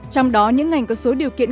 trong đó những ngành có số điều kiện